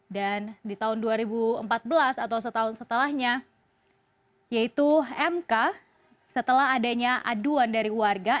dan di tahun dua ribu empat belas atau setahun setelahnya yaitu mk setelah adanya aduan dari warga